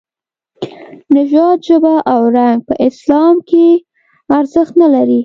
نژاد، ژبه او رنګ په اسلام کې ارزښت نه لري.